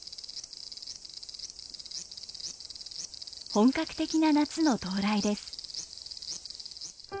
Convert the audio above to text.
本格的な夏の到来です。